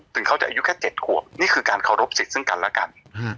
ถึงเขาจะอายุแค่เจ็ดกว่านี่คือการเคารพสิตซึ่งกันละกัน